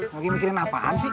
lagi mikirin apaan sih